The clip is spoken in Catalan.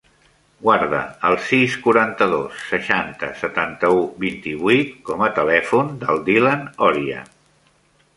Guarda el sis, quaranta-dos, seixanta, setanta-u, vint-i-vuit com a telèfon del Dylan Oria.